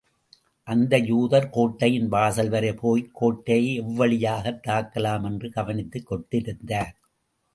அந்த யூதர் கோட்டையின் வாசல் வரை போய்க் கோட்டையை எவ்வழியாகத் தாக்கலாம் என்று கவனித்துக் கொண்டிருந்தார்.